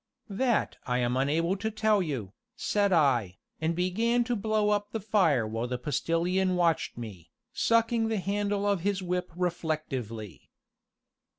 "That I am unable to tell you," said I, and began to blow up the fire while the Postilion watched me, sucking the handle of his whip reflectively.